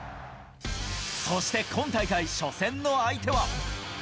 そして今大会初戦の相手は。